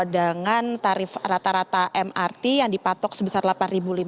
dengan tarif rata rata mrt yang dipatok sebesar rp delapan lima ratus